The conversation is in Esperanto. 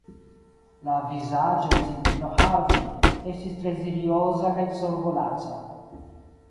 La vizaĝo de sinjorino Harding estis tre serioza kaj zorgolaca.